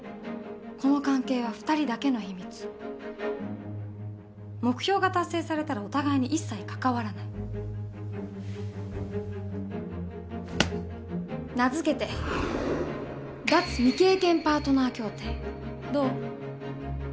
この関係は二人だけの秘密目標が達成されたらお互いに一切関ふぅ名付けて「脱・未経験パートナー協定どう？